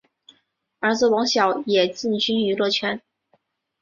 儿子王骁也进军娱乐圈。